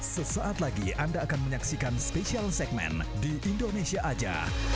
sesaat lagi anda akan menyaksikan spesial segmen di indonesia aja